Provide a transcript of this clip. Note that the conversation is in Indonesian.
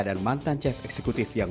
dan mantan chef eksekutif yang